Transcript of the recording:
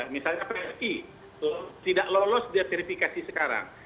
misalnya psi tidak lolos di verifikasi sekarang